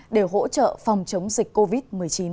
để hỗ trợ phòng chống dịch covid một mươi chín